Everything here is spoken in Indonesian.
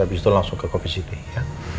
habis itu langsung ke kopi city ya